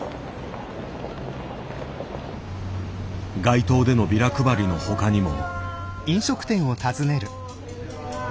街頭でのビラ配りの他にも。